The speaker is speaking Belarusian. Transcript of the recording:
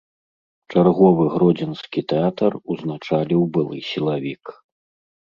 Чарговы гродзенскі тэатр узначаліў былы сілавік.